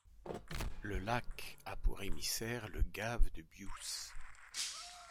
Le lac a pour émissaire le gave de Bious.